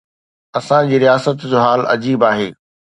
اسان جي رياست جو حال عجيب آهي.